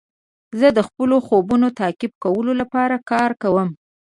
زه د خپلو خوبونو تعقیب کولو لپاره کار کوم.